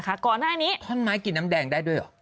อากออนาฮินี้ท่อนไม้กินน้ำแดงได้หรือ